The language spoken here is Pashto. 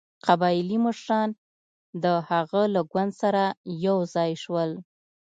قبایلي مشران د هغه له ګوند سره یو ځای شول.